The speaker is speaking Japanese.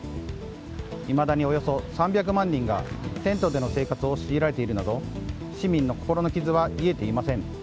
いまだに、およそ３００万人がテントでの生活を強いられるなど市民の心の傷は癒えていません。